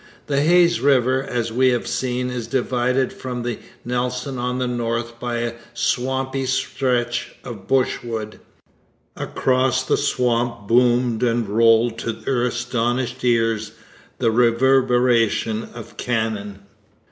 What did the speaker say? The Hayes river, as we have seen, is divided from the Nelson on the north by a swampy stretch of brushwood. Across the swamp boomed and rolled to their astonished ears the reverberation of cannon.